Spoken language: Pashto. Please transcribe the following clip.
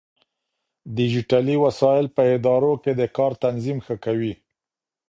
ډيجيټلي وسايل په ادارو کې د کار تنظيم ښه کوي.